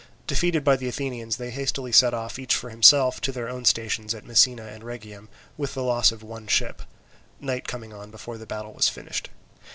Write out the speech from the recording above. Defeated by the Athenians they hastily set off, each for himself, to their own stations at Messina and Rhegium, with the loss of one ship; night coming on before the battle was finished.